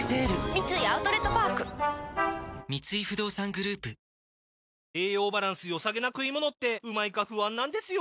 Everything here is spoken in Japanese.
三井アウトレットパーク三井不動産グループ栄養バランス良さげな食い物ってうまいか不安なんですよ